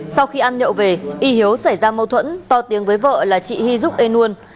sau khi ăn nhậu về y hiếu xảy ra mâu thuẫn to tiếng với vợ là chị hy giúp ê nuôn